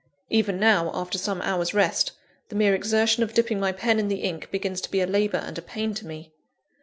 Even now, after some hours' rest, the mere exertion of dipping my pen in the ink begins to be a labour and a pain to me.